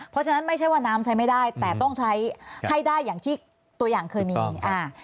เพราะฉะนั้นไม่ใช่ว่าน้ำใช้ไม่ได้แต่ต้องใช้ให้ได้อย่างที่ตัวอย่างเคยมีอ่า